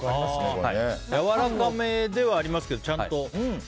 やわらかめではありますけどちゃんと。